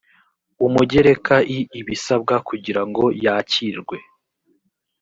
umugereka i ibisabwa kugirango yakirwe